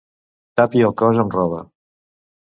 Tapi el cos amb roba.